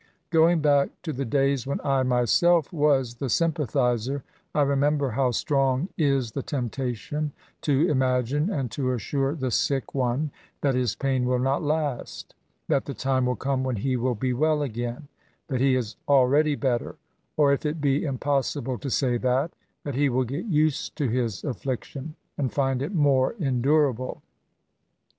Going back to the days when I, myself, was the sympathiser, I remember how strotig U the temptation to imagine, and to assure the sick one, that his pain will not last ; that the time will come when he will be well agaip; that be is already better | or, if it be impossible to say that, that he will get used to his affliction, md find it more endurable.